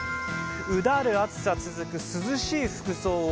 うだる暑さ続く涼しい服装を。